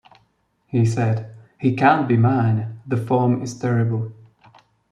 He said, 'He can't be mine, the form is terrible!